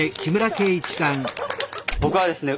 僕はですね